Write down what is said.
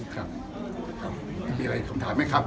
ครับไม่มีอะไรอีกคำถามไหมครับ